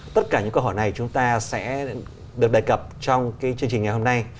tất cả những câu hỏi này chúng ta sẽ được đề cập trong chương trình ngày hôm nay